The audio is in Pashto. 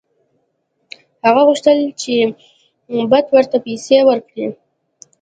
هغه غوښتل چې بت ورته پیسې ورکړي.